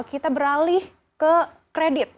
kita beralih ke kredit